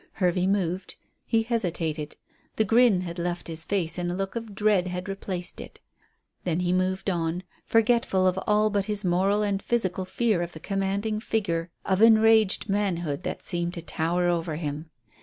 Hervey moved; he hesitated. The grin had left his face and a look of dread had replaced it. Then he moved on, forgetful of all but his moral and physical fear of the commanding figure of enraged manhood that seemed to tower over him.